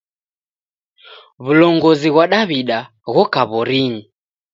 W'ulongozi ghwa Daw'ida ghoka w'orinyi.